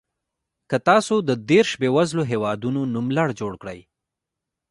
که تاسو د دېرش بېوزلو هېوادونو نوملړ جوړ کړئ.